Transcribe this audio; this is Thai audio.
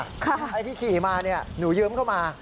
ไอ้ที่ขี่มานี่หนูเยิ่มเข้ามา